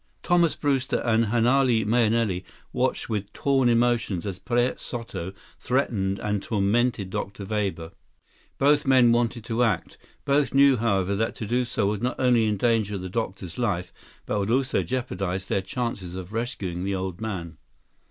Thomas Brewster and Hanale Mahenili watched with torn emotions as Perez Soto threatened and tormented Dr. Weber. Both men wanted to act. Both knew, however, that to do so would not only endanger the doctor's life, but would also jeopardize their chances of rescuing the old man.